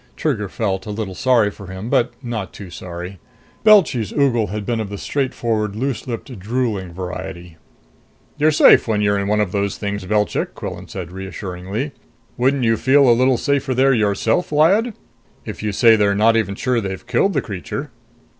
Trigger felt a little sorry for him, but not too sorry. Belchy's ogle had been of the straightforward, loose lipped, drooling variety. "You're safe when you're in one of those things, Belchik!" Quillan said reassuringly. "Wouldn't you feel a little safer there yourself, Lyad? If you say they're not even sure they've killed the creature...."